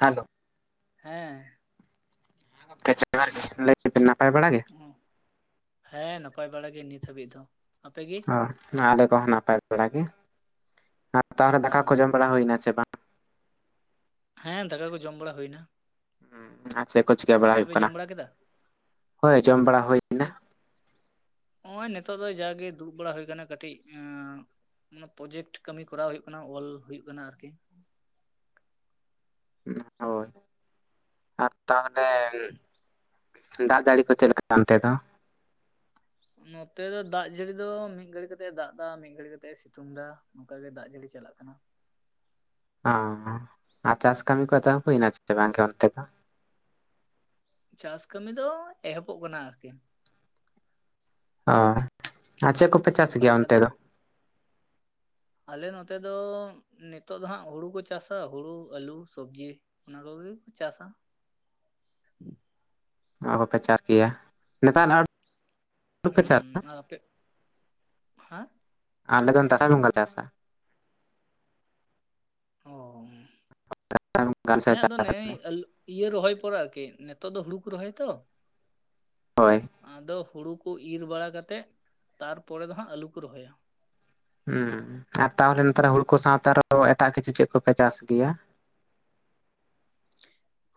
Hello ᱦᱮᱸ [unintelligible] ᱱᱟᱯᱟᱭ ᱵᱟᱲᱟ ᱜᱮ ᱦᱮᱸ ᱱᱟᱯᱟᱭ ᱵᱟᱲᱟ ᱜᱮ ᱱᱤᱛ ᱦᱟᱹᱵᱤᱡ ᱫᱚ ᱟᱯᱮ ᱜᱤ ᱚ ᱟᱞᱮ ᱠᱚᱦᱚᱸ ᱱᱟᱯᱟᱭ ᱵᱟᱲᱟ ᱜᱮ ᱟᱨ ᱛᱟᱦᱚᱞᱮ ᱫᱟᱠᱟ ᱠᱚ ᱡᱚᱢ ᱵᱟᱲᱟ ᱦᱩᱭᱱᱟ ᱥᱮ ᱵᱟᱝ ᱦᱮᱸ ᱫᱟᱠᱟ ᱠᱚ ᱡᱚᱢ ᱵᱟᱲᱟ ᱦᱩᱭᱱᱟ ᱟᱨ ᱪᱮᱫ ᱠᱚ ᱪᱤᱠᱟᱹ ᱵᱟᱲᱟ ᱟᱯᱮ ᱦᱩᱭᱩᱜ ᱯᱮ ᱠᱟᱱᱟ, ᱡᱚᱢ ᱵᱟᱲᱟ ᱠᱮᱫᱟ ᱦᱳᱭ ᱡᱚᱢ ᱵᱟᱲᱟ ᱦᱩᱭᱮᱱᱟ ᱱᱚᱜ ᱟᱭ ᱱᱮᱛᱚᱜ ᱫᱚ ᱡᱟᱜᱮ ᱫᱩᱲᱩᱵ ᱵᱟᱲᱟ ᱦᱩᱭ ᱠᱟᱱᱟ ᱠᱟᱹᱴᱤᱡ ᱢᱟᱱᱮ ᱯᱨᱚᱡᱮᱠᱴ ᱠᱟᱹᱢᱤ ᱠᱚᱨᱟᱣ ᱦᱩᱭᱩᱜ ᱠᱟᱱᱟ ᱚᱞ ᱦᱩᱭᱩᱜ ᱠᱟᱱᱟ ᱟᱨᱠᱤ ᱦᱳᱭ ᱟᱨ ᱛᱟᱦᱚᱞᱮ ᱫᱟᱜ ᱡᱟᱹᱲᱤ ᱠᱚ ᱪᱮᱫ ᱞᱮᱠᱟ ᱚᱱᱛᱮ ᱫᱚ ᱱᱚᱛᱮ ᱫᱚ ᱫᱟᱜ ᱡᱟᱹᱲᱤ ᱫᱚ ᱢᱤᱫ ᱜᱷᱟᱹᱲᱤ ᱠᱟᱛᱮᱜ ᱮ ᱫᱟᱜ ᱮᱫᱟ ᱢᱤᱫ ᱜᱷᱟᱲᱤ ᱠᱟᱛᱮᱜ ᱮ ᱥᱤᱛᱩᱝ ᱮᱫᱟ ᱱᱚᱝᱠᱟ ᱜᱮ ᱫᱟᱜ ᱡᱟᱹᱲᱤ ᱪᱟᱞᱟᱜ ᱠᱟᱱᱟ ᱚ ᱟᱨ ᱪᱟᱥ ᱠᱟᱹᱢᱤ ᱠᱚᱫᱚ ᱦᱩᱭᱱᱟ ᱪᱮ ᱵᱟᱝ ᱜᱮ ᱚᱱᱛᱮ ᱫᱚ ᱪᱟᱥ ᱠᱟᱹᱢᱤ ᱫᱚ ᱮᱦᱚᱵᱚᱜ ᱠᱟᱱᱟ ᱟᱨᱠᱤ ᱚ ᱟᱨ ᱪᱮᱫ ᱠᱚ ᱚᱱᱠᱟ ᱞᱮᱠᱟ ᱫᱚ ᱟᱞᱮ ᱱᱚᱛᱮ ᱫᱚ ᱱᱤᱛᱚᱜ ᱫᱚ ᱦᱟᱸᱜ ᱦᱩᱲᱩ ᱠᱚ ᱪᱟᱥᱟ ᱦᱩᱲᱩ, ᱟᱞᱩ, ᱥᱚᱵᱡᱤ ᱾ ᱚᱱᱟ ᱠᱚᱜᱮ ᱠᱚ ᱪᱟᱥᱟ ᱚᱱᱟ ᱠᱚᱯᱮ ᱪᱟᱥ ᱠᱮᱭᱟ ᱱᱮᱛᱟᱨ ᱟᱨ ᱵᱟᱯᱮ ᱪᱟᱥ ᱫᱟ ᱦᱩᱸ ᱟᱨ ᱟᱯᱮ ᱦᱮᱸ ᱟᱞᱮᱫᱚ ᱫᱟᱸᱥᱟᱭ ᱵᱚᱸᱜᱚᱞᱮ ᱪᱟᱥᱟ ᱚ ᱫᱟᱸᱥᱟᱭ ᱵᱚᱸᱜᱟ ᱥᱮ ᱦᱮᱸ ᱟᱫᱚ ᱪᱟᱥ ᱱᱮᱜ ᱮ ᱟᱞᱮ ᱟᱞᱩ ᱤᱭᱟᱹ ᱨᱚᱦᱚᱭ ᱯᱚᱨᱮ ᱟᱨᱠᱤ ᱱᱮᱛᱚᱜ ᱫᱚ ᱦᱩᱲᱩ ᱠᱚ ᱨᱚᱦᱚᱭ ᱛᱚ ᱾ ᱦᱚᱭ ᱟᱫᱚ ᱦᱩᱲᱩ ᱠᱚ ᱤᱨ ᱵᱟᱲᱟ ᱠᱟᱛᱮᱫ ᱛᱟᱨᱯᱚᱨᱮ ᱫᱚ ᱦᱟᱸᱜ ᱟᱞᱩ ᱠᱚ ᱨᱚᱦᱚᱭᱟ ᱾ ᱦᱩᱸ ᱟᱨ ᱛᱟᱦᱚᱞᱮ ᱱᱮᱛᱟᱨ ᱦᱩᱲᱠᱩ ᱥᱟᱶᱛᱮ ᱟᱨᱦᱚ ᱮᱴᱟᱜ ᱠᱤᱪᱷᱩ ᱪᱮᱫ ᱠᱚᱯᱮ ᱪᱟᱥ ᱜᱮᱭᱟ?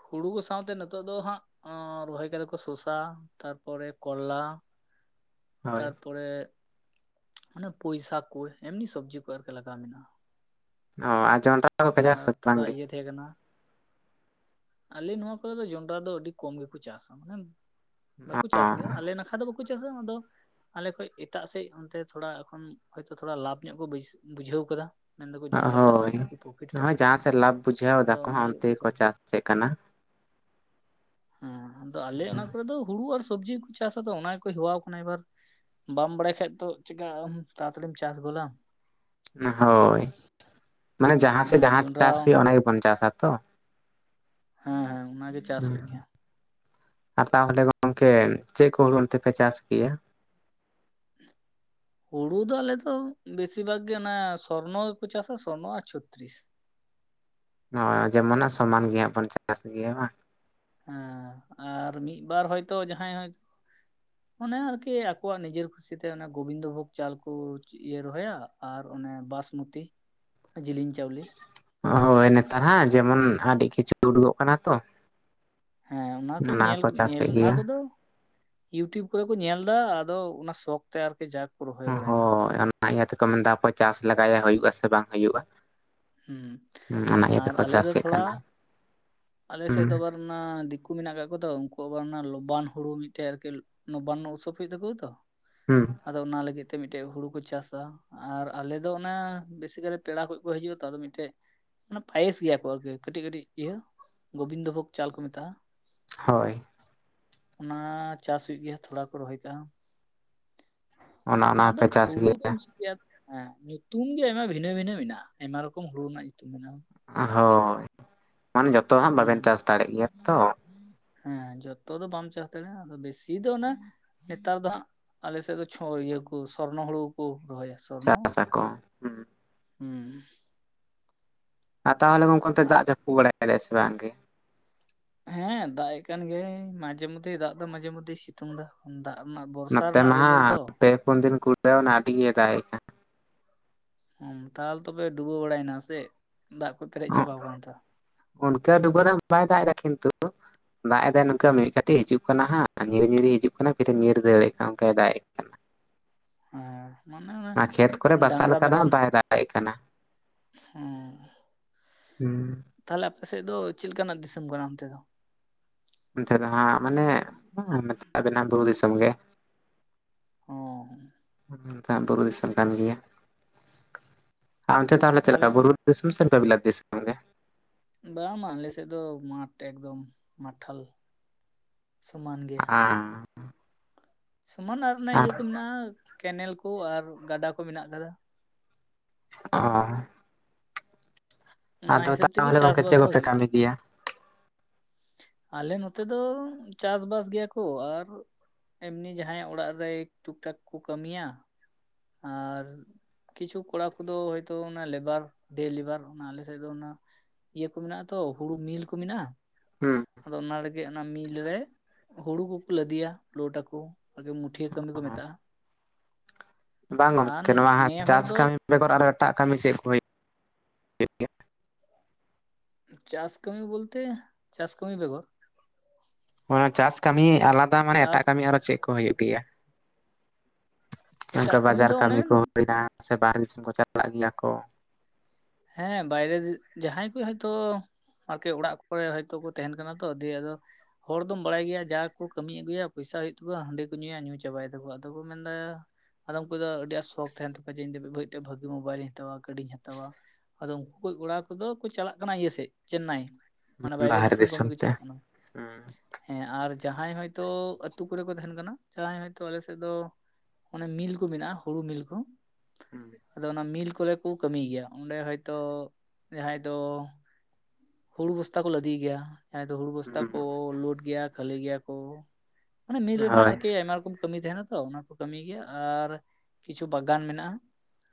ᱦᱩᱲᱩ ᱥᱟᱶᱛᱮ ᱱᱮᱛᱚᱜ ᱫᱚ ᱦᱟᱸᱜ ᱨᱚᱦᱚᱭ ᱠᱟᱫᱟ ᱠᱚ ᱥᱚᱥᱟ ᱛᱟᱨᱯᱚᱨᱮ ᱠᱚᱨᱞᱟ ᱾ [inaudible] ᱛᱟᱨᱯᱚᱨᱮ ᱮ ᱚᱱᱮ ᱯᱩᱭᱥᱟᱠ ᱠᱩ ᱮᱢᱱᱤ ᱥᱚᱵᱡᱤ ᱠᱚ ᱟᱨᱠᱤ ᱞᱟᱜᱟᱣ ᱢᱮᱱᱟᱜᱼᱟ ᱾ ᱚ ᱟᱨ ᱡᱚᱱᱰᱨᱟ ᱠᱚᱯᱮ ᱟᱨ ᱪᱟᱥᱟ ᱛᱷᱚᱲᱟ ᱵᱟᱝ ᱜᱮ? ᱤᱭᱟᱹ ᱛᱟᱦᱮᱸ ᱠᱟᱱᱟ ᱟᱞᱮ ᱱᱚᱣᱟ ᱠᱚᱨᱮ ᱫᱚ ᱡᱚᱱᱰᱨᱟ ᱫᱚ ᱟᱹᱰᱤ ᱠᱚᱢ ᱜᱮᱠᱚ ᱪᱟᱥᱟ ᱢᱟᱱᱮ ᱵᱟᱠᱚ ᱪᱟᱥ ᱜᱮᱭᱟ ᱟᱞᱮ ᱱᱟᱠᱷᱟ ᱫᱚ ᱵᱟᱠᱩ ᱪᱟᱥᱟᱢ ᱟᱫᱚ ᱟᱞᱮ ᱠᱷᱚᱡ ᱮᱴᱟᱜ ᱥᱮᱪ ᱚᱱᱛᱮ ᱛᱷᱚᱲᱟ ᱮᱠᱷᱚᱱ ᱦᱚᱭᱛᱚ ᱛᱷᱚᱲᱟ ᱞᱟᱵᱷ ᱧᱚᱜ ᱠᱚ ᱵᱟᱹᱥ ᱵᱩᱡᱷᱟᱹᱣ ᱠᱟᱫᱟ ᱢᱮᱱᱫᱟᱠᱚ ᱚ ᱡᱚᱱᱰᱨᱟ ᱪᱟᱥ ᱨᱮ ᱦᱳᱭ ᱵᱷᱟᱜᱤ ᱯᱨᱚᱯᱷᱤᱴ ᱱᱚᱜᱚᱭ ᱢᱮᱱᱟᱜᱼᱟ ᱡᱟᱦᱟᱸ ᱥᱮᱫ ᱞᱟᱵᱷ ᱵᱩᱡᱷᱟᱹᱣ ᱟᱫᱚ ᱫᱟᱠᱚ ᱚᱱᱟ ᱦᱟᱸᱜ ᱞᱟᱹᱜᱤᱫ ᱚᱱᱛᱮ ᱠᱚ ᱜᱮᱠᱚ ᱪᱟᱥ ᱮᱫᱟ ᱪᱟᱥᱮᱫ ᱠᱟᱱᱟ ᱦᱩᱸ ᱟᱫᱚ ᱟᱞᱮ ᱚᱱᱟ ᱠᱚᱨᱮ ᱫᱚ ᱦᱩᱲᱩ ᱟᱨ ᱥᱚᱵᱽᱡᱤ ᱜᱮᱠᱚ ᱪᱟᱥ ᱟᱛᱚ ᱚᱱᱟ ᱜᱮᱠᱚ ᱦᱮᱣᱟ ᱟᱠᱟᱱᱟ ᱮᱵᱟᱨ ᱾ ᱵᱟᱢ ᱵᱟᱲᱟᱭ ᱠᱷᱟᱡ ᱛᱚ ᱪᱤᱠᱟ. ᱛᱟᱲᱟᱛᱟᱲᱤᱢ ᱪᱟᱥ ᱜᱚᱫᱟᱢ ᱚ ᱦᱳᱭ ᱢᱟᱱᱮ ᱡᱟᱦᱟᱸ ᱥᱮᱫ ᱦᱮᱸ ᱡᱟᱦᱟᱸ ᱡᱚᱱᱰᱨᱟ ᱪᱟᱥ ᱦᱩᱭᱩᱜᱼᱟ ᱚᱱᱟ ᱜᱮᱵᱚᱱ ᱪᱟᱥᱟ ᱛᱚ ᱦᱮᱸ ᱦᱮᱸ ᱚᱱᱟᱜᱮ ᱪᱟᱥ ᱦᱩᱭᱩᱜ ᱜᱮᱭᱟ ᱾ ᱟᱨ ᱛᱟᱦᱚᱞᱮ ᱜᱚᱝᱠᱮ ᱪᱮᱫ ᱠᱚ ᱦᱩᱲᱩ ᱛᱱᱛᱮ ᱯᱮ ᱪᱟᱥ ᱜᱮᱭᱟ? ᱦᱩᱲᱩ ᱫᱚ ᱟᱞᱮᱫᱚ ᱵᱮᱥᱤᱨ ᱵᱷᱟᱜᱽ ᱜᱮ ᱚᱱᱟ ᱥᱚᱨᱱᱚ ᱜᱮᱠᱚ ᱪᱟᱥᱟ ᱥᱚᱨᱱᱚ ᱟᱨ ᱪᱷᱚᱛᱛᱨᱤᱥ ᱦᱳᱭ ᱡᱮ ᱢᱚᱱᱮ ᱥᱚᱢᱟᱱ ᱜᱮ ᱦᱟᱸᱜ ᱵᱚᱱ ᱪᱟᱥ ᱜᱮᱭᱟ ᱵᱟᱝ ᱦᱩᱸ ᱟᱨ ᱢᱤᱫ ᱵᱟᱨ ᱦᱚᱭᱛᱳ ᱡᱟᱦᱟᱸᱭ ᱦᱚᱭ [inaudible] ᱚᱱᱮ ᱟᱨᱠᱤ ᱟᱠᱚᱣᱟᱜ ᱱᱤᱡᱮᱨ ᱠᱷᱩᱥᱤᱛᱮ ᱚᱱᱮ ᱜᱳᱵᱤᱱᱫᱚ ᱵᱷᱳᱜᱽ ᱪᱟᱞ ᱠᱚ ᱤᱭᱟᱹ ᱨᱚᱦᱚᱭᱟ ᱟᱨ ᱚᱱᱮ ᱵᱟᱥᱢᱚᱛᱤ ᱡᱤᱞᱤᱧ ᱪᱟᱣᱞᱮ ᱦᱳᱭ ᱱᱮᱛᱟᱨ ᱦᱟᱸᱜ ᱡᱮᱢᱚᱱ ᱟᱹᱰᱤ ᱠᱤᱪᱷᱩ ᱩᱰᱩᱠᱚᱜ ᱠᱟᱱᱟ ᱛᱚ ᱦᱮᱸ ᱚᱱᱟ ᱠᱚ ᱧᱮᱞ ᱧᱮᱞ ᱚᱱᱟ ᱠᱚᱫᱚ ᱤᱭᱩᱴᱤᱭᱩᱵᱽ ᱠᱚᱨᱮ ᱠᱚ ᱧᱮᱞ ᱫᱟ ᱟᱫᱚ ᱚᱱᱟ ᱥᱚᱠᱷ ᱛᱮ ᱟᱨᱠᱤ ᱡᱟᱠ ᱦᱳᱭ ᱚᱱᱟ ᱤᱭᱟᱹ ᱛᱮᱠᱚ ᱢᱮᱱᱫᱟ ᱦᱟᱯᱚᱭ ᱪᱟᱥ ᱞᱮᱟᱜᱟᱭᱟ ᱦᱩᱭᱩᱜ ᱟᱥᱮ ᱵᱟᱝ ᱦᱩᱭᱩᱜᱼᱟ ᱦᱩᱸ ᱚᱱᱟ ᱤᱭᱟᱹ ᱟᱨ ᱛᱮᱠᱚ ᱟᱞᱮ ᱫᱚ ᱪᱟᱥᱮᱫ ᱛᱷᱚᱲᱟ ᱠᱟᱱᱟ ᱟᱞᱮᱥᱮᱫ ᱦᱩᱸ ᱫᱚ ᱵᱟᱨ ᱚᱱᱟ ᱫᱤᱠᱩ ᱢᱮᱱᱟᱜ ᱟᱠᱟᱜ ᱠᱚᱣᱟ ᱛᱚ ᱩᱱᱠᱩ ᱟᱵᱟᱨ ᱚᱱᱟ ᱞᱚᱵᱟᱱ ᱦᱩᱲᱩ ᱢᱤᱫᱴᱮᱡ ᱟᱨᱠᱤ ᱱᱚᱵᱟᱱᱱᱚ ᱩᱛᱥᱚᱵ ᱦᱩᱭᱩᱜ ᱛᱟᱠᱚᱣᱟ ᱛᱚ? ᱦᱩᱸ ᱟᱫᱚ ᱚᱱᱟ ᱞᱟᱹᱜᱤᱫ ᱛᱮ ᱢᱤᱫᱴᱮᱡ ᱦᱩᱲᱩ ᱠᱚ ᱪᱟᱥᱟ ᱟᱨ ᱟᱞᱮ ᱫᱚ ᱵᱮᱥᱤᱠᱟᱨᱮ ᱯᱮᱲᱟ ᱠᱚᱡ ᱠᱚ ᱦᱤᱡᱩᱜᱼᱟ ᱛᱚ ᱟᱫᱚ ᱢᱤᱫᱴᱮᱡ ᱢᱟᱱᱮ ᱯᱟᱭᱮᱥ ᱜᱮᱭᱟ ᱠᱚ ᱟᱨᱠᱤ ᱠᱟᱹᱴᱤᱡ ᱠᱟᱹᱴᱤᱡ ᱤᱭᱟᱹ ᱜᱳᱵᱤᱱᱫᱚ ᱵᱷᱳᱜᱽ ᱪᱟᱞ ᱠᱚ ᱢᱮᱛᱟᱜᱼᱟ ᱦᱳᱭ ᱚᱱᱟ ᱪᱟᱥ ᱦᱩᱭᱩᱜ ᱜᱮᱭᱟ ᱛᱷᱚᱲᱟ ᱠᱚ ᱨᱚᱦᱚᱭ ᱠᱟᱜᱼᱟ ᱾ ᱚᱱᱟ ᱚᱱᱟ ᱟᱫᱚ ᱦᱚᱸᱯᱮ ᱪᱟᱥ ᱦᱩᱲᱩ ᱫᱚ ᱢᱤᱫ ᱜᱮᱭᱟ ᱦᱮᱸ ᱧᱩᱛᱩᱢ ᱜᱮ ᱟᱭᱢᱟ ᱵᱷᱤᱱᱟᱹ ᱵᱷᱤᱱᱟᱹ ᱢᱮᱱᱟᱜᱼᱟ ᱟᱭᱢᱟ ᱨᱚᱠᱚᱢ ᱦᱩᱲᱩ ᱨᱮᱱᱟᱜ ᱧᱩᱛᱩᱢ ᱢᱮᱱᱟᱜᱼᱟ᱾ ᱚ ᱦᱳᱭ ᱟᱢ ᱡᱷᱚᱛᱚ ᱦᱟᱜ ᱦᱩᱸ ᱵᱟᱵᱮᱱ ᱪᱟᱥ ᱫᱟᱲᱮᱜ ᱜᱮᱭᱟ ᱛᱚ᱾ ᱦᱮᱸ ᱡᱚᱛᱚ ᱫᱚ ᱵᱟᱢ ᱪᱟᱥ ᱫᱟᱲᱮᱭᱟᱜᱼᱟ ᱟᱫᱚ ᱵᱮᱥᱤ ᱫᱚ ᱚᱱᱟ ᱱᱮᱛᱟᱨ ᱫᱚ ᱦᱟᱸᱜ ᱟᱞᱮ ᱥᱮᱜ ᱫᱚ ᱪᱷᱚ ᱤᱭᱟᱹ ᱠᱩ ᱥᱚᱨᱱᱚ ᱦᱩᱲᱩ ᱠᱩ ᱨᱚᱦᱚᱭᱟ᱾ ᱪᱟᱥᱟ ᱠᱚ ᱦᱩᱸ [unintelligible] ᱦᱩᱸ ᱟᱨ ᱛᱟᱦᱚᱞᱮ ᱜᱚᱝᱠᱮ ᱚᱱᱛᱮ ᱫᱟᱜ ᱡᱟᱹᱯᱩ ᱵᱟᱲᱟᱭᱮᱜ ᱮᱫᱟᱭ ᱥᱮ ᱵᱟᱝᱜᱮ ᱦᱮᱸ ᱫᱟᱜ ᱮ ᱠᱟᱱ ᱜᱮᱭᱟᱭ ᱢᱟᱡᱷᱮ ᱢᱚᱫᱫᱷᱮ ᱫᱟᱜ ᱫᱚ ᱢᱟᱡᱷᱮ ᱢᱚᱫᱫᱷᱮ ᱥᱤᱛᱩᱝ ᱥᱤᱛᱩᱝ ᱫᱚ ᱫᱟᱜ ᱨᱮᱱᱟᱜ ᱵᱚᱨᱥᱟ ᱨᱮᱱᱟᱜ ᱨᱤᱢᱤᱞ ᱛᱚ ᱩᱱ ᱫᱤᱱ ᱠᱚ ᱞᱟᱹᱭᱟ ᱟᱰᱤ ᱜᱮ ᱫᱟᱜ ᱮᱜᱠᱟᱱ ᱛᱟᱦᱞᱮ ᱛᱚᱯᱮ ᱰᱩᱵᱟᱹᱣ ᱵᱟᱲᱟᱭᱮᱱᱟ ᱥᱮ ᱫᱟᱜ ᱠᱚ ᱯᱮᱨᱮᱡ ᱪᱟᱵᱟ ᱟᱠᱟᱱᱟ ᱛᱚ ᱚᱱᱠᱟ ᱰᱩᱵᱟᱹ ᱫᱚ ᱵᱟᱭ ᱫᱟᱜ ᱮᱫᱟ ᱠᱤᱱᱛᱩ ᱫᱟᱜ ᱮᱫᱟᱭ ᱱᱚᱝᱠᱟ ᱦᱮᱸ ᱢᱤᱫ [unintelligible] ᱛᱮ ᱦᱤᱡᱩᱜ ᱠᱟᱱᱟ ᱦᱟᱸᱜ ᱧᱤᱨ ᱧᱤᱨ ᱦᱤᱡᱩᱜ ᱠᱟᱱᱟ ᱯᱷᱤᱨ ᱧᱤᱨ ᱫᱟᱹᱲᱮᱜ ᱠᱟᱱᱟ ᱚᱱᱠᱟᱭ ᱫᱟᱜ ᱮᱫ ᱠᱟᱱᱟ᱾ ᱦᱮᱸ ᱱᱟ ᱠᱷᱮᱛ ᱠᱚᱨᱮ ᱵᱟᱥᱟᱜ ᱞᱮᱠᱟ ᱫᱚ ᱦᱟᱜ ᱵᱟᱭ ᱫᱟᱜ ᱮᱜ ᱠᱟᱱᱟ᱾ ᱦᱮᱸ ᱦᱩᱸ᱾ ᱛᱟᱦᱚᱞᱮ ᱟᱯᱮ ᱥᱮᱜ ᱫᱚ ᱪᱮᱞ ᱠᱟᱱᱟᱜ ᱫᱤᱥᱚᱢ ᱠᱟᱱᱟ ᱚᱱᱛᱮ ᱫᱚ? ᱱᱚᱛᱮ ᱫᱚ ᱱᱟᱜ ᱢᱟᱱᱮ [unintelligible] ᱵᱩᱨᱩ ᱫᱤᱥᱚᱢ ᱜᱮ᱾ ᱚᱸ᱾ ᱩᱸ ᱱᱚᱛᱮ ᱦᱚ ᱵᱩᱨᱩ ᱫᱤᱥᱚᱢ ᱠᱟᱱ ᱜᱮᱭᱟ, ᱟ ᱚᱱᱛᱮ ᱛᱟᱦᱚᱞᱮ ᱪᱮᱞᱠᱟ ᱵᱩᱨᱩ ᱥᱚᱢ ᱥᱮ ᱚᱝᱠᱟ ᱵᱤᱞᱟᱛ ᱫᱤᱥ ᱚᱢ ᱠᱟᱱ ᱜᱮ᱾ ᱵᱟᱝ ᱢᱟ ᱟᱞᱮ ᱥᱮᱫ ᱫᱚ ᱢᱟᱴ ᱮᱠᱫᱚᱢ ᱢᱟᱴᱷᱟᱞ ᱥᱚᱢᱟᱱ ᱜᱮ᱾ ᱟᱻ ᱥᱚᱢᱟᱱ ᱟᱨ ᱚᱱᱟ ᱤᱭᱟᱹ ᱠᱚ ᱢᱮᱱᱟᱜᱼᱟ ᱠᱮᱱᱮᱞ ᱠᱚ ᱟᱨ ᱜᱟᱰᱟ ᱠᱚ ᱢᱮᱱᱟᱜ ᱠᱟᱫᱟ᱾ ᱚ᱾ ᱚᱱᱟ ᱟᱫᱚ ᱦᱤᱥᱟᱹᱵ ᱛᱮᱜᱮ ᱛᱟᱦᱚᱞᱮ ᱜᱚᱝᱠᱮ ᱪᱟᱥᱵᱟᱥ ᱪᱮᱜ ᱫᱚ ᱠᱚᱯᱮ ᱦᱩᱭᱩᱜ ᱠᱟᱹᱢᱤ ᱜᱮᱭᱟ? ᱟᱞᱮ ᱱᱚᱛᱮ ᱫᱚ ᱪᱟᱥᱼᱵᱟᱥ ᱜᱮᱭᱟ ᱠᱚ ᱟᱨ ᱮᱢᱱᱤ ᱡᱟᱦᱟᱸᱭᱟᱜ ᱚᱲᱟᱜ ᱨᱮ ᱴᱩᱠᱼᱴᱟᱠ ᱠᱚ ᱠᱟᱹᱢᱤᱭᱟ᱾ ᱟᱨ ᱠᱤᱪᱷᱩ ᱠᱚᱲᱟ ᱠᱩᱫᱚ ᱦᱚᱭᱛᱳ ᱚᱱᱟ ᱞᱮᱵᱟᱨ ᱰᱮ ᱞᱮᱵᱟᱨ ᱚᱱᱟ ᱟᱞᱮ ᱥᱮᱜ ᱫᱚ ᱚᱱᱟ ᱤᱭᱟᱹ ᱠᱚ ᱢᱮᱱᱟᱜᱼᱟ ᱛᱚ ᱦᱩᱲᱩ ᱢᱤᱞ ᱠᱚ ᱢᱮᱱᱟᱜᱼᱟ᱾ ᱦᱩᱸ᱾ ᱟᱫᱚ ᱚᱱᱟ ᱲᱮᱜᱮ ᱚᱱᱟ ᱢᱤᱞ ᱲᱮ ᱦᱩᱲᱩ ᱠᱩᱠᱩ ᱞᱟᱹᱫᱤᱭᱟ ᱞᱳᱴ ᱟᱠᱩ᱾ ᱟᱜᱮ ᱢᱩᱴᱷᱤᱭᱟᱹ ᱠᱟᱹᱢᱤ ᱠᱚ ᱢᱮᱛᱟᱜᱼᱟ᱾ ᱵᱟᱝ ᱟᱨ ᱜᱚᱢᱠᱮ ᱱᱚᱣᱟ ᱱᱮ ᱦᱚᱲ ᱪᱟᱥ ᱫᱚ ᱠᱟᱹᱢᱤ ᱵᱮᱜᱚᱨ ᱟᱨ ᱮᱴᱟᱜ ᱠᱟᱹᱢᱤ ᱪᱮᱫ ᱠᱚ ᱦᱩᱭᱩᱜ ᱜᱮᱭᱟ? ᱪᱟᱥ ᱠᱟᱹᱢᱤ ᱵᱚᱞᱛᱮ ᱪᱟᱥ ᱠᱟᱹᱢᱤ ᱵᱮᱜᱚᱨ ᱦᱚᱸ ᱪᱟᱥ ᱠᱟᱹᱢᱤ ᱟᱞᱟᱫᱟ ᱢᱟᱱᱮ ᱪᱟᱥ ᱮᱴᱟᱜ ᱠᱟᱹᱢᱤ ᱟᱨᱚ ᱪᱮᱜ ᱠᱚ ᱦᱩᱭᱩᱜ ᱜᱮᱭᱟ? ᱱᱚᱝᱠᱟ ᱮᱴᱟᱜ ᱵᱟᱡᱟᱨ ᱫᱚ ᱚᱱᱮ ᱠᱟᱹᱢᱤ ᱠᱚ ᱢᱮᱱᱟᱜᱼᱟ ᱥᱮ ᱵᱟᱦᱨᱮ ᱫᱤᱥᱚᱢ ᱠᱚ ᱪᱟᱞᱟᱜ ᱜᱮᱭᱟ ᱠᱚ᱾ ᱦᱮᱸ ᱵᱟᱭᱨᱮ ᱫᱤ ᱡᱟᱦᱟᱸᱭ ᱠᱚ ᱦᱚᱭᱛᱳ ᱟᱨᱠᱤ ᱚᱲᱟᱜ ᱠᱚᱨᱮ ᱦᱚᱭᱛᱳ ᱠᱚ ᱛᱟᱦᱮᱱ ᱠᱟᱱᱟ ᱛᱚ ᱫᱤᱭᱮ ᱟᱫᱚ ᱦᱚᱲ ᱫᱚᱢ ᱵᱟᱲᱟᱭ ᱜᱮᱭᱟ ᱡᱟ ᱠᱩ ᱠᱟᱹᱢᱤ ᱟᱹᱜᱩᱭᱟ ᱯᱚᱭᱥᱟ ᱦᱩᱭᱩᱜ ᱛᱟᱠᱚᱣᱟ ᱦᱟᱺᱰᱤ ᱠᱩ ᱧᱩᱭᱟ ᱧᱩ ᱪᱟᱵᱟᱭ ᱫᱟᱠᱚ ᱟᱫᱚ ᱠᱚ ᱢᱮᱱᱮᱫᱟ ᱟᱫᱚ ᱩᱱᱠᱩ ᱫᱚ ᱟᱹᱰᱤ ᱟ ᱥᱚᱠ ᱛᱟᱦᱮᱱ ᱛᱟᱠᱚᱣᱟ ᱡᱮ ᱤᱧ ᱫᱚ [unintelligible] ᱵᱷᱟᱜᱤ ᱢᱳᱵᱟᱭᱤᱞᱤᱧ ᱦᱟᱛᱟᱣᱟ, ᱜᱟᱹᱰᱤᱧ ᱦᱟᱛᱟᱣᱟ᱾ ᱟᱫᱚ ᱩᱱᱠᱩ ᱠᱚᱭ ᱠᱚᱲᱟ ᱠᱩ ᱫᱚ ᱠᱩ ᱪᱟᱞᱟᱜ ᱠᱟᱱᱟ ᱤᱭᱟᱹ ᱥᱮᱡ ᱪᱮᱱᱱᱟᱭ᱾ ᱢᱟᱱᱮ ᱵᱟᱭᱨᱮ ᱵᱟᱦᱨᱮ ᱫᱤᱥᱚᱢ ᱠᱟᱹᱢᱤ ᱠᱚ ᱛᱮ᱾ ᱪᱟᱞᱟᱜ ᱠᱟᱱᱟ᱾ ᱦᱩᱸ ᱦᱮᱸ ᱟᱨ ᱡᱟᱦᱟᱸᱭ ᱦᱚᱭᱛᱳ ᱟᱹᱛᱩ ᱠᱚᱨᱮ ᱠᱚ ᱛᱟᱦᱮᱱ ᱠᱟᱱᱟ ᱡᱟᱦᱟᱸᱭ ᱦᱚᱭᱛᱳ ᱟᱞᱮ ᱥᱮᱫ ᱫᱚ ᱚᱱᱮ ᱢᱤᱞ ᱠᱩ ᱢᱮᱱᱟᱜᱼᱟ ᱦᱩᱲᱩ ᱢᱤᱞ ᱠᱩ ᱦᱩᱸ ᱟᱫᱚ ᱚᱱᱟ ᱢᱤᱞ ᱠᱚᱨᱮ ᱠᱩ ᱠᱟᱹᱢᱤᱭ ᱜᱮᱭᱟ᱾ ᱚᱸᱰᱮ ᱦᱚᱭᱛᱚ ᱡᱟᱦᱟᱸᱭ ᱫᱚ ᱦᱩᱲᱩ ᱵᱚᱥᱛᱟ ᱠᱚ ᱞᱟᱹᱫᱤᱭ ᱜᱮᱭᱟ᱾ ᱦᱮᱸ ᱫᱚ ᱦᱩᱲᱩ ᱵᱚᱥᱛᱟ ᱠᱚ ᱦᱩᱸ ᱞᱳᱰ ᱜᱮᱭᱟ ᱠᱷᱟᱹᱞᱤ ᱜᱮᱭᱟ ᱠᱚ ᱢᱟᱱᱮ ᱢᱤᱞ ᱨᱮᱱᱟᱜ ᱦᱳᱭ ᱟᱨᱠᱤ ᱟᱭᱢᱟ ᱨᱚᱠᱚᱢ ᱠᱟᱹᱢᱤ ᱛᱟᱦᱮᱱᱟ ᱛᱚ ᱚᱱᱟ ᱠᱚ ᱠᱟᱹᱢᱤᱭ ᱜᱮᱭᱟ ᱟᱨ ᱠᱤᱪᱷᱩ ᱵᱟᱜᱟᱱ ᱢᱮᱱᱟᱜᱼᱟ᱾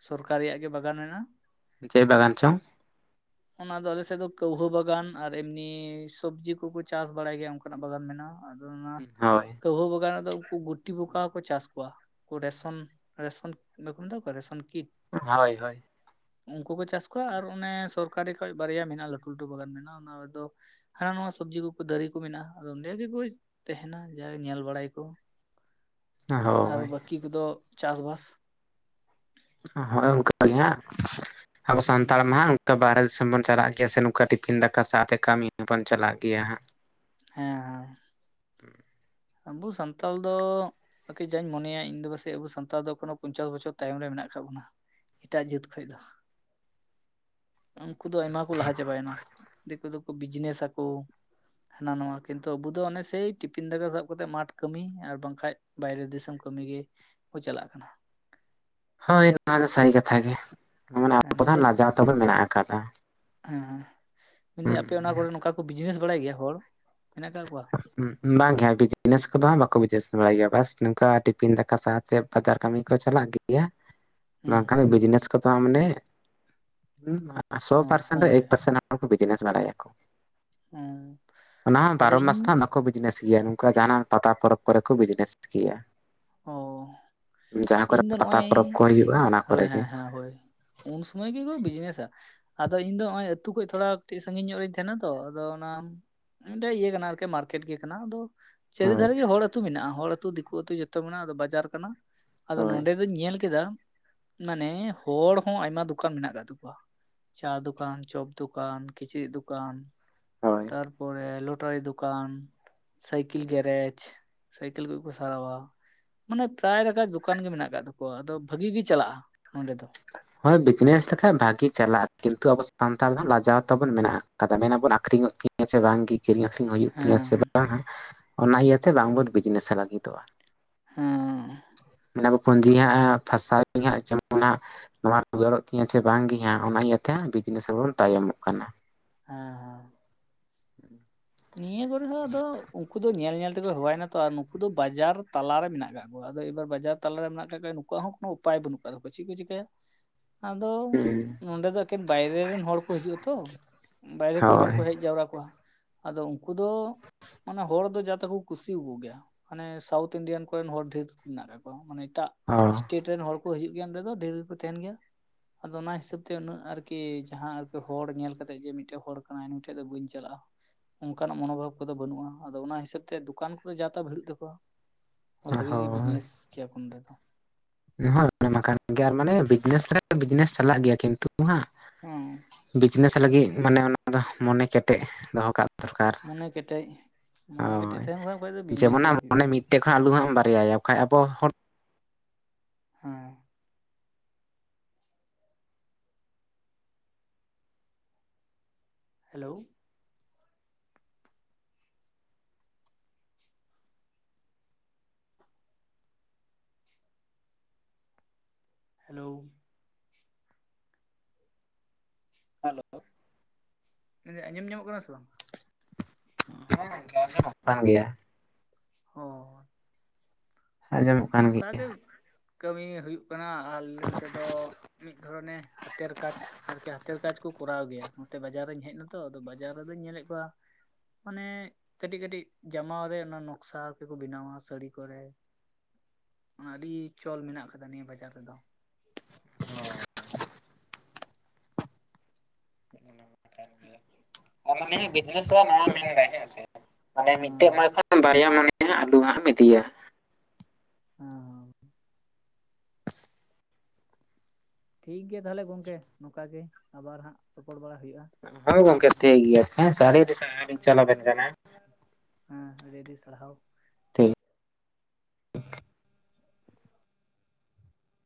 ᱥᱚᱨᱠᱟᱨᱤᱭᱟᱜ ᱜᱮ ᱵᱟᱜᱟᱱ ᱢᱮᱱᱟᱜᱼᱟ᱾ ᱪᱮ ᱵᱟᱜᱟᱱ ᱪᱚᱝ? ᱚᱱᱟ ᱫᱚ ᱟᱞᱮ ᱥᱮᱜ ᱫᱚ ᱠᱟᱹᱣᱦᱟᱹ ᱵᱟᱜᱟᱱ ᱟᱨ ᱮᱢᱱᱤ ᱥᱚᱵᱽᱡᱤ ᱠᱚᱠᱚ ᱪᱟᱥ ᱵᱟᱲᱟᱭ ᱜᱮᱭᱟ ᱚᱱᱠᱟᱱᱟᱜ ᱵᱟᱜᱟᱱ ᱢᱮᱱᱟᱜᱼᱟ᱾ ᱟᱫᱚ ᱚᱱᱟ ᱦᱳᱭ ᱠᱟᱹᱣᱦᱟᱹ ᱵᱟᱜᱟᱱ ᱨᱮᱫᱚ ᱩᱱᱠᱩ ᱜᱩᱴᱷᱤ ᱯᱚᱠᱟ ᱦᱚᱸᱠᱚ ᱪᱟᱥ ᱠᱚᱣᱟ᱾ ᱠᱩ ᱨᱮᱥᱚᱱ, ᱨᱮᱥᱚᱱ ᱵᱟᱠᱩ ᱢᱮᱛᱟ ᱠᱚᱣᱟ ᱨᱮᱥᱚᱱ ᱠᱤᱴ᱾ ᱦᱳᱭ ᱦᱳᱭ᱾ ᱩᱱᱠᱩ ᱠᱚ ᱪᱟᱥ ᱠᱚᱣᱟ, ᱟᱨ ᱚᱱᱮ ᱥᱚᱨᱠᱟᱨᱤ ᱠᱷᱚᱡ ᱵᱟᱨᱭᱟ ᱢᱮᱱᱟᱜᱼᱟ ᱞᱟᱹᱴᱩᱼᱞᱟᱹᱴᱩ ᱵᱟᱜᱟᱱ ᱢᱮᱱᱟᱜᱼᱟ ᱚᱱᱟ ᱨᱮᱫᱚ ᱦᱟ ᱱᱟᱣᱟ ᱥᱚᱵᱽᱡᱤ ᱠᱩᱠᱩ ᱫᱟᱨᱮ ᱠᱩ ᱢᱮᱱᱟᱜᱼᱟ ᱟᱫᱚ ᱚᱸᱱᱰᱮ ᱜᱮᱠᱚ ᱤᱥ ᱛᱮᱦᱮᱱᱟ ᱡᱟ ᱧᱮᱞ ᱵᱟᱲᱟᱭᱟ ᱠᱩ ᱟᱨ ᱦᱳᱭ ᱵᱟᱹᱠᱤ ᱠᱚᱫᱚ ᱪᱟᱥᱼᱵᱟᱥ᱾ ᱦᱟᱸ ᱦᱳᱭ ᱚᱱᱠᱟ ᱜᱮ ᱦᱟᱸᱜ ᱟᱵᱚ ᱥᱟᱱᱛᱟᱲ ᱦᱮᱸ ᱢᱟ ᱦᱟᱜ ᱠᱟ ᱵᱟᱦᱚᱨᱮ ᱫᱤᱥᱚᱢ ᱵᱚᱱ ᱪᱟᱞᱟᱜ ᱜᱮᱭᱟ ᱥᱮ ᱱᱚᱝᱠᱟ ᱴᱤᱯᱷᱤᱱ ᱫᱟᱠᱟ ᱥᱟᱣᱛᱮ ᱠᱟᱹᱢᱤ ᱦᱚᱸ ᱵᱚᱱ ᱪᱟᱞᱟᱜ ᱜᱮᱭᱟ ᱦᱟᱸᱜ᱾ ᱦᱮᱸ ᱦᱮᱸ ᱟᱵᱚ ᱥᱟᱱᱛᱟᱞ ᱫᱚ ᱟᱨᱠᱤ ᱡᱟᱧ ᱢᱚᱱᱮᱭᱟ ᱤᱧ ᱫᱚ ᱯᱟᱥᱮᱡ ᱟᱵᱚ ᱥᱟᱱᱛᱟᱲ ᱫᱚ ᱮᱠᱷᱚᱱᱳ ᱯᱚᱧᱪᱟᱥ ᱵᱚᱪᱷᱚᱨ ᱛᱟᱭᱚᱢ ᱨᱮ ᱢᱮᱱᱟᱜ ᱟᱠᱟᱜ ᱵᱚᱱᱟ ᱮᱴᱟᱜ ᱡᱟᱹᱛ ᱠᱷᱚᱡ ᱫᱚ [inaudible] ᱩᱱᱠᱩ ᱫᱚ ᱟᱭᱢᱟ ᱠᱩ ᱞᱟᱦᱟ ᱪᱟᱵᱟᱭᱮᱱᱟ ᱫᱤᱠᱩ ᱫᱚ ᱵᱤᱡᱽᱱᱮᱥ ᱟᱠᱚ ᱦᱟᱱᱟ ᱱᱚᱣᱟ ᱠᱤᱱᱛᱩ ᱟᱵᱚ ᱫᱚ ᱚᱱᱮ ᱥᱮᱭ ᱴᱤᱯᱷᱤᱱ ᱫᱟᱠᱟ ᱥᱟᱵ ᱠᱟᱛᱮ ᱢᱟᱴᱷ ᱠᱟᱹᱢᱤ ᱟᱨ ᱵᱟᱝᱠᱷᱟᱡ ᱵᱟᱭᱨᱮ ᱫᱤᱥᱚᱢ ᱠᱟᱹᱢᱤ ᱜᱮ ᱠᱚ ᱪᱟᱞᱟᱜ ᱠᱟᱱᱟ ᱦᱳᱭ ᱱᱚᱣᱟ ᱫᱚ ᱥᱟᱹᱨᱤ ᱠᱟᱛᱷᱟ ᱜᱮ ᱢᱟᱱᱮ ᱦᱮᱸ ᱟᱵᱚ ᱫᱚ ᱢᱮᱱᱫᱟᱹᱧ ᱞᱟᱡᱟᱣ ᱛᱟᱵᱚᱱ ᱢᱮᱱᱟᱜ ᱟᱠᱟᱫᱟ ᱦᱮᱸ ᱦᱮᱸ ᱢᱮᱱᱫᱟᱹᱧ ᱟᱯᱮ ᱚᱱᱟ ᱠᱚᱨᱮ ᱱᱚᱝᱠᱟ ᱠᱚ ᱵᱤᱡᱽᱱᱮᱥ ᱵᱟᱲᱟᱭ ᱜᱮᱭᱟ ᱦᱚᱲ ᱢᱮᱱᱟᱜ ᱟᱠᱟᱜ ᱠᱚᱣᱟ? ᱵᱟᱝ ᱜᱮ ᱵᱤᱡᱽᱱᱮᱥ ᱠᱚᱫᱚ ᱦᱟᱜ ᱵᱟᱠᱚ ᱵᱤᱡᱽᱱᱮᱥ ᱵᱟᱲᱟᱭ ᱜᱮᱭᱟ ᱵᱟᱥ ᱱᱚᱝᱠᱟ ᱴᱤᱯᱷᱤᱱ ᱫᱟᱠᱟ ᱥᱟᱣᱛᱮ ᱵᱟᱡᱟᱨ ᱠᱟᱹᱢᱤ ᱠᱚ ᱪᱟᱞᱟᱜ ᱜᱮᱭᱟ ᱦᱩᱸ ᱵᱟᱝᱠᱷᱟᱱ ᱵᱤᱡᱽᱱᱮᱥ ᱠᱚᱫᱚ ᱦᱟᱜ ᱢᱟᱱᱮ ᱥᱚ ᱚ ᱯᱟᱨᱥᱮᱱᱴ ᱠᱚᱢ ᱨᱮ ᱮᱠ ᱜᱮ ᱯᱟᱨᱥᱮᱱᱴ ᱵᱤᱡᱽᱱᱮᱥ ᱵᱟᱲᱟᱭᱟᱠᱚ ᱦᱩᱸ ᱚᱱᱟ ᱦᱚᱸ ᱟᱫᱚ ᱵᱟᱨᱚ ᱢᱟᱥ ᱤᱧ ᱫᱚ ᱵᱟᱠᱚ ᱵᱤᱡᱽᱱᱮᱥ ᱜᱮᱭᱟ ᱱᱚᱝᱠᱟ ᱡᱟᱦᱱᱟᱜ ᱯᱟᱛᱟ ᱯᱚᱨᱚᱵᱽ ᱠᱚᱨᱮ ᱠᱚ ᱵᱤᱡᱽᱱᱮᱥ ᱜᱮᱭᱟ ᱚ ᱡᱟᱦᱟᱸ ᱠᱚᱨᱮ ᱤᱧ ᱫᱚ ᱯᱟᱛᱟ ᱱᱚᱜᱼᱚᱭ ᱯᱚᱨᱚᱵᱽ ᱠᱚ ᱦᱩᱭᱩᱜᱼᱟ ᱚᱱᱟ ᱠᱚᱨᱮ ᱦᱳᱭ ᱜᱮ ᱦᱮᱸ ᱦᱮᱸ ᱦᱳᱭ ᱩᱱ ᱥᱚᱢᱚᱭ ᱜᱮ ᱠᱚ ᱵᱤᱡᱽᱱᱮᱥᱟ ᱟᱫᱚ ᱤᱧ ᱫᱚ ᱦᱚᱜ-ᱚᱭ ᱟᱹᱛᱩ ᱠᱷᱚᱡ ᱫᱚ ᱛᱷᱚᱲᱟ ᱠᱟᱹᱴᱤᱡ ᱥᱟᱹᱜᱤᱧ ᱧᱚᱜ ᱨᱤᱧ ᱛᱟᱦᱮᱸᱱᱟ ᱛᱚ ᱟᱫᱚ ᱚᱱᱟ ᱢᱤᱫᱴᱮᱡ ᱤᱭᱟᱹ ᱠᱟᱱᱟ ᱟᱨᱠᱤ ᱢᱟᱨᱠᱮᱴ ᱜᱮ ᱠᱟᱱᱟ ᱟᱫᱚ ᱦᱳᱭ ᱪᱟᱹᱨᱤᱫᱷᱟᱨᱮ ᱜᱮ ᱦᱚᱲ ᱟᱹᱛᱩ ᱢᱮᱱᱟᱜᱼᱟ ᱦᱚᱲ ᱟᱹᱛᱩ ᱫᱤᱠᱩ ᱟᱹᱛᱩ ᱡᱚᱛᱚ ᱢᱮᱱᱟᱜᱼᱟ ᱟᱫᱚ ᱵᱟᱡᱟᱨ ᱠᱟᱱᱟ ᱟᱫᱚ ᱦᱳᱭ ᱱᱚᱸᱰᱮ ᱟᱫᱚᱧ ᱧᱮᱞ ᱠᱮᱫᱟ ᱢᱟᱱᱮ ᱦᱚᱲ ᱦᱚᱸ ᱟᱭᱢᱟ ᱫᱚᱠᱟᱱ ᱢᱮᱱᱟᱜ ᱠᱟᱫ ᱛᱟᱠᱚᱣᱟ ᱪᱟ ᱫᱚᱠᱟᱱ, ᱪᱚᱯ ᱫᱚᱠᱟᱱ, ᱠᱤᱪᱨᱤᱡ ᱫᱚᱠᱟᱱ ᱦᱳᱭ ᱛᱟᱨᱯᱚᱨᱮ ᱞᱚᱴᱟᱨᱤ ᱫᱚᱠᱟᱱ ᱥᱟᱭᱠᱮᱞ ᱜᱮᱨᱮᱡᱽ ᱥᱟᱭᱠᱮᱞ ᱠᱚ ᱠᱚ ᱥᱟᱨᱟᱣᱟ ᱢᱟᱱᱮ ᱯᱨᱟᱭ ᱞᱮᱠᱟ ᱫᱚᱠᱟᱱ ᱜᱮ ᱢᱮᱱᱟᱜ ᱟᱠᱟᱜ ᱛᱟᱠᱚᱣᱟ ᱟᱫᱚ ᱵᱷᱟᱜᱤ ᱜᱮ ᱪᱟᱞᱟᱜᱼᱟ ᱱᱚᱸᱰᱮ ᱫᱚ ᱦᱳᱭ ᱵᱤᱡᱽᱱᱮᱥ ᱞᱮᱠᱷᱟᱡ ᱵᱷᱟᱹᱜᱤ ᱪᱟᱞᱟᱜᱼᱟ ᱠᱤᱱᱛᱩ ᱟᱵᱚ ᱥᱟᱱᱛᱟᱲ ᱫᱚ ᱞᱟᱡᱟᱣ ᱛᱟᱵᱚᱱ ᱢᱮᱱᱟᱜᱼᱟ ᱠᱟᱫᱟ ᱢᱮᱱᱟ ᱵᱚᱱ ᱟᱠᱷᱨᱤᱧᱚᱜ ᱛᱤᱧᱟᱹ ᱥᱮ ᱵᱟᱝᱜᱮ ᱠᱤᱨᱤᱧ ᱟᱹᱠᱷᱨᱤᱧ ᱦᱩᱭᱩᱜ ᱛᱤᱧᱟ ᱦᱮᱸ ᱥᱮ ᱵᱟᱝ ᱚᱱᱟ ᱤᱭᱟᱹᱛᱮ ᱵᱟᱝᱵᱚᱱ ᱵᱤᱡᱽᱱᱮᱥ ᱞᱟᱹᱜᱤᱫᱚᱜᱼᱟ ᱦᱮᱸ ᱦᱮᱸ ᱢᱮᱱᱟ ᱟᱠᱚ ᱯᱩᱸᱡᱤ ᱦᱟᱸᱜ ᱯᱷᱟᱥᱟᱣ ᱤᱧ ᱦᱟᱸᱜ [unintelligible] ᱡᱮᱢᱚᱱ ᱦᱟᱸᱜ ᱱᱚᱣᱟ ᱨᱣᱟᱹᱲᱚᱜ ᱛᱤᱧᱟ ᱥᱮ ᱵᱟᱝᱜᱮ ᱦᱟᱸᱜ ᱚᱱᱟ ᱤᱭᱟᱹᱛᱮ ᱵᱤᱡᱽᱱᱮᱥ ᱦᱚᱵᱚᱱ ᱛᱟᱭᱚᱢᱚᱜ ᱠᱟᱱᱟ ᱦᱮᱸ ᱦᱮᱸ [unintelligible] ᱱᱤᱭᱟᱹ ᱠᱚᱨᱮ ᱦᱚᱸ ᱟᱫᱚ ᱩᱱᱠᱩ ᱫᱚ ᱧᱮᱞ ᱧᱮᱞ ᱛᱮᱠᱚ ᱦᱮᱣᱟᱭᱱᱟ ᱛᱚ ᱱᱩᱠᱩ ᱫᱚ ᱵᱟᱡᱟᱨ ᱛᱟᱞᱟᱨᱮ ᱢᱮᱱᱟᱜ ᱟᱠᱟᱫ ᱠᱚᱣᱟ ᱟᱫᱚ ᱮᱵᱟᱨ ᱵᱟᱡᱟᱨ ᱛᱟᱞᱟᱨᱮ ᱢᱮᱱᱟᱜ ᱟᱠᱟᱫ ᱠᱚᱣᱟ ᱱᱠᱩᱣᱟᱜ ᱦᱚᱸ ᱠᱚᱱᱳ ᱩᱯᱟᱭ ᱵᱟᱹᱱᱩᱜ ᱟᱠᱟᱫ ᱛᱟᱠᱚᱣᱟ ᱪᱮᱫ ᱠᱚ ᱪᱤᱠᱟᱭᱟ [inaudible] ᱟᱫᱚ ᱦᱩᱸ ᱱᱚᱰᱮ ᱫᱚ ᱮᱠᱮᱱ ᱵᱟᱭᱨᱮ ᱨᱮᱱ ᱦᱚᱲ ᱠᱚ ᱦᱤᱡᱩᱜᱼᱟ ᱛᱚ ᱵᱟᱭᱨᱮ ᱠᱷᱚᱡ ᱦᱚᱲ ᱦᱳᱭ ᱠᱚ ᱦᱮᱡ ᱡᱟᱣᱨᱟ ᱠᱚᱜ-ᱟ ᱟᱫᱚ ᱩᱱᱠᱩ ᱫᱚ ᱢᱟᱱᱮ ᱦᱚᱲ ᱫᱚ ᱡᱟᱛᱮ ᱠᱚ ᱠᱩᱥᱤᱭᱟᱠᱚ ᱜᱮᱭᱟ ᱢᱟᱱᱮ ᱥᱟᱣᱩᱛᱷ ᱤᱱᱰᱤᱭᱟᱱ ᱠᱚᱨᱮᱱ ᱦᱚᱲ ᱰᱷᱮᱨ ᱢᱮᱱᱟᱜ ᱠᱟᱫ ᱠᱚᱣᱟ ᱢᱟᱱᱮ ᱮᱴᱟᱜ ᱚ ᱮᱥᱴᱮᱴ ᱨᱮᱱ ᱦᱚᱲ ᱠᱚ ᱦᱤᱡᱩᱜ ᱜᱮᱭᱟ ᱱᱚᱸᱰᱮ ᱫᱚ ᱰᱷᱮᱨ ᱜᱮᱠᱚ ᱛᱟᱦᱮᱱ ᱜᱮᱭᱟ ᱟᱫᱚ ᱚᱱᱟ ᱦᱤᱥᱟᱹᱵ ᱛᱮ ᱩᱱᱟᱹᱜ ᱟᱨᱠᱤ ᱡᱟᱦᱟᱸ ᱟᱨᱠᱤ ᱦᱚᱲ ᱧᱮᱞ ᱠᱟᱛᱮᱫ ᱡᱮ ᱢᱤᱫᱴᱮᱡ ᱦᱚᱲ ᱠᱟᱱᱟᱭ ᱱᱩᱭ ᱴᱷᱮᱡ ᱫᱚ ᱵᱟᱹᱧ ᱪᱟᱞᱟᱜᱼᱟ ᱚᱱᱠᱟᱱᱟᱜ ᱢᱚᱱᱳᱵᱷᱟᱵ ᱠᱚᱫᱚ ᱵᱟᱹᱱᱩᱜᱼᱟ ᱟᱫᱚ ᱚᱱᱟ ᱦᱤᱥᱟᱹᱵ ᱛᱮ ᱫᱚᱠᱟᱱ ᱠᱚᱫᱚ ᱡᱟ ᱛᱟ ᱵᱷᱤᱲᱚᱜ ᱛᱟᱠᱚᱣᱟ ᱦᱳ ᱵᱷᱟᱜᱤ ᱜᱮ ᱦᱳᱭ ᱵᱤᱡᱽᱱᱮᱥ ᱠᱮᱭᱟ ᱠᱚ ᱱᱚᱰᱮ ᱫᱚ [inaudible] ᱠᱟᱱ ᱜᱮᱭᱟ ᱟᱨ ᱢᱟᱱᱮ ᱵᱤᱡᱽᱱᱮᱥ [inaudible] ᱵᱤᱡᱽᱱᱮᱥ ᱪᱟᱞᱟᱜ ᱜᱮᱭᱟ ᱠᱤᱱᱛᱩ ᱦᱟᱸᱜ ᱦᱚᱸ ᱵᱤᱡᱽᱱᱮᱥ ᱞᱟᱹᱜᱤᱫ ᱢᱟᱱᱮ ᱚᱱᱟ ᱫᱚ ᱢᱚᱱᱮ ᱠᱮᱴᱮᱡ ᱫᱚᱦᱚ ᱠᱟᱜ ᱫᱚᱨᱠᱟᱨ ᱢᱚᱱᱮ ᱠᱮᱴᱮᱡ ᱢᱚᱱᱮ ᱠᱮᱴᱮᱡ ᱦᱳᱭ ᱛᱟᱦᱮᱱ ᱠᱷᱟᱱ ᱠᱷᱟᱡ ᱫᱚ ᱵᱤᱡᱽᱱᱮᱥ ᱡᱮᱢᱚᱱᱟᱜ ᱫᱚ [unintelligible] ᱦᱩᱭᱩᱜ ᱢᱚᱱᱮ ᱜᱮᱭᱟ ᱢᱤᱫ ᱛᱮᱜ ᱠᱷᱟ ᱟᱞᱩ ᱦᱟᱜ ᱮᱢ ᱵᱟᱨᱮᱭᱟ ᱭᱟ ᱚᱠᱷᱟᱡ ᱟᱵᱚ ᱦᱚᱲ ᱦᱮᱸ ᱦᱮᱞᱳᱻ᱾ ᱦᱮᱞᱳᱻ᱾ ᱦᱮᱞᱳᱻ᱾ ᱢᱮᱱ ᱫᱤᱧ ᱟᱸᱡᱚᱢ ᱧᱟᱢᱚᱜ ᱠᱟᱱᱟ ᱥᱮ ᱵᱟᱝ? ᱦᱮᱸ ᱜᱚᱝᱠᱮ ᱟᱸᱡᱚᱢᱚᱜ ᱠᱟᱱ ᱜᱮᱭᱟ ᱾ ᱚᱸᱻ᱾ ᱟᱸᱡᱚᱢᱚᱜ ᱠᱟᱱ ᱱᱚᱝᱠᱟ ᱜᱮᱭᱟ ᱜᱮ ᱠᱟᱹᱢᱤ ᱦᱩᱭᱩᱜ ᱠᱟᱱᱟ, ᱟᱞᱮ ᱱᱚᱱᱛᱮ ᱫᱚ ᱢᱤᱫ ᱫᱷᱚᱨᱚᱱᱮ ᱦᱟᱛᱮᱨ ᱠᱟᱡᱽ, ᱟᱨᱠᱤ ᱦᱟᱛᱮᱨ ᱠᱟᱡᱽ ᱠᱩ ᱠᱚᱨᱟᱣ ᱜᱮᱭᱟ, ᱱᱚᱛᱮ ᱵᱟᱡᱟᱨ ᱨᱤᱧ ᱦᱮᱡ ᱱᱟᱛᱚ ᱟᱫᱚ ᱵᱟᱡᱟᱨ ᱨᱮᱫᱚᱧ ᱧᱮᱞᱮᱜ ᱠᱚᱣᱟ ᱢᱟᱱᱮ ᱠᱟᱹᱴᱤᱡ ᱠᱟᱹᱴᱤᱡ ᱡᱟᱢᱟᱣ ᱨᱮ ᱚᱱᱟ ᱱᱚᱠᱥᱟ ᱜᱮᱠᱚ ᱵᱮᱱᱟᱣᱟ᱾ ᱥᱟᱹᱲᱤ ᱠᱚᱨᱮ ᱦᱚ ᱟᱹᱰᱤ ᱪᱚᱞ ᱢᱮᱱᱟᱜ ᱠᱟᱫᱟ ᱱᱤᱭᱟᱹ ᱵᱟᱡᱟᱨ ᱨᱮᱫᱚ᱾ ᱦᱮᱸᱣ ᱻᱛᱚ᱾ ᱟᱨ ᱢᱟᱱᱮᱸ ᱚᱱᱟ ᱱᱤᱭᱮᱹ ᱵᱤᱡᱽᱱᱮᱥ ᱦᱚ ᱦᱟᱜ ᱱᱚᱣᱟ ᱢᱮᱱ ᱫᱟᱭ ᱦᱮᱸᱥᱮ ᱢᱟᱱᱮ ᱚᱸ ᱢᱤᱫᱴᱮᱡ ᱦᱮᱸ ᱮᱢᱟᱭ ᱠᱷᱚᱡ᱾ ᱵᱟᱨᱭᱟ ᱢᱟᱱᱮ ᱦᱟᱜ ᱟᱞᱩ ᱦᱟᱜ ᱮᱢ ᱤᱫᱤᱭᱟ᱾ ᱦᱮᱸᱻ ᱦᱮᱸᱻ᱾ ᱴᱷᱤᱠ ᱜᱮᱭᱟ ᱛᱟᱦᱚᱞᱮ ᱜᱚᱝᱠᱮ ᱱᱚᱝᱠᱟ ᱜᱮ, ᱟᱵᱟᱨ ᱦᱟᱜ ᱨᱚᱯᱚᱲ ᱵᱟᱲᱟ ᱦᱩᱭᱩᱜᱼᱟ ᱾ ᱦᱳᱭ ᱜᱚᱝᱠᱮ ᱴᱷᱤᱠ ᱜᱮᱭᱟ ᱥᱮ ᱦᱮᱥᱮ, ᱟᱹᱰᱤ ᱟᱹᱰᱤ ᱥᱟᱨᱦᱟᱣ ᱞᱤᱧ ᱪᱟᱞ ᱟᱵᱮᱱ ᱠᱟᱱᱟ᱾ ᱦᱩᱸ ᱟᱹᱰᱤ ᱟᱹᱰᱤ ᱥᱟᱨᱦᱟᱣ᱾ ᱴᱷᱤᱠ ᱻ᱾